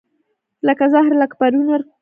لکه زهره لکه پروین ورکړه